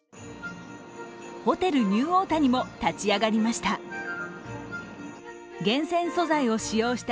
ホテルニューオータニも立ち上がりました。